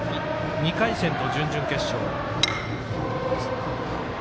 ２回戦と準々決勝。